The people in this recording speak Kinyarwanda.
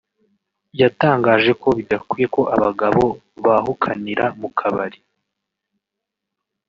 yatangaje ko bidakwiye ko abagabo bahukanira mu kabari